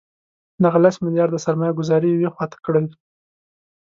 دغه لس میلیارده سرمایه ګوزاري یوې خوا ته کړئ.